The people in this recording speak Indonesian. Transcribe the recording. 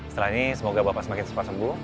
setelah ini semoga bapak semakin cepat sembuh